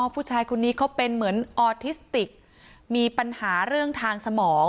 ผู้ชายคนนี้เขาเป็นเหมือนออทิสติกมีปัญหาเรื่องทางสมอง